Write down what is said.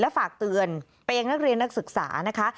แล้วฝากเตือนเป็นนักเรียนนักศึกษานะคะ